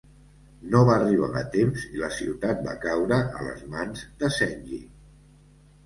No va arribar a temps i la ciutat va caure a les mans de Zengi.